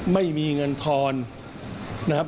ไม่มีเงินทอนนะครับ